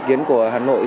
dự kiến của hà nội